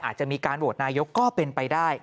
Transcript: อาจจะมีการโหวตนายกก็เป็นไปได้